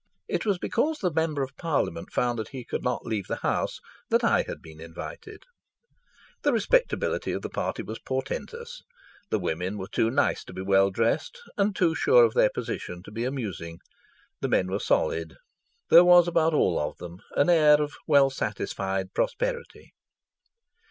It was because the Member of Parliament found that he could not leave the House that I had been invited. The respectability of the party was portentous. The women were too nice to be well dressed, and too sure of their position to be amusing. The men were solid. There was about all of them an air of well satisfied prosperity.